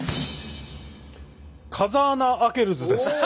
風穴あけるズです。